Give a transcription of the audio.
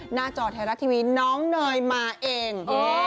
หน้าจอแทนรัททีวีน้องหน่อยมาเอง